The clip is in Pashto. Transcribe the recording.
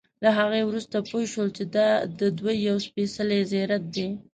له هغې وروسته پوی شول چې دا ددوی یو سپېڅلی زیارت دی.